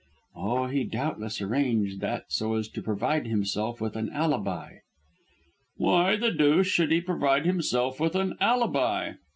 "Oh, he doubtless arranged that so as to provide himself with an alibi." "Why the deuce should he provide himself with an alibi?"